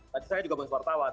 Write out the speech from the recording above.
tapi saya juga bekas wartawan